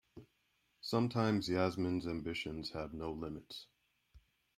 Sometimes Yasmin's ambitions have no limits.